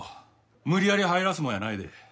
無理やり入らすもんやないで。